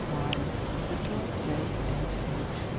BY PROFESSOR J. H. H.